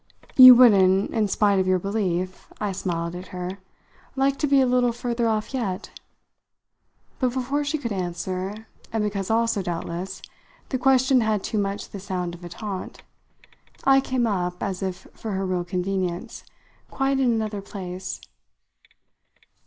"You wouldn't, in spite of your belief," I smiled at her "like to be a little further off yet?" But before she could answer, and because also, doubtless, the question had too much the sound of a taunt, I came up, as if for her real convenience, quite in another place.